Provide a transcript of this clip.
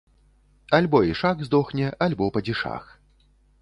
Альбо ішак здохне, альбо падзішах.